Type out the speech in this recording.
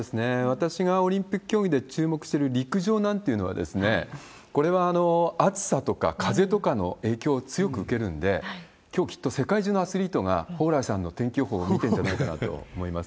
私がオリンピック競技で注目している陸上なんていうのは、これは暑さとか風とかの影響を強く受けるんで、きょう、きっと世界中のアスリートが、蓬莱さんの天気予報を見てるんじゃないかと思います。